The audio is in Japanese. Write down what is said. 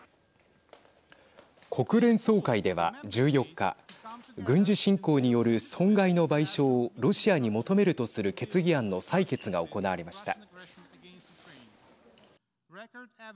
国連総会では１４日軍事侵攻による損害の賠償をロシアに求めるとする決議案の採決が行われました。